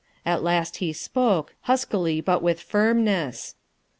At last he spoke, huskily but with firmness.